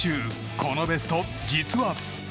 このベスト、実は。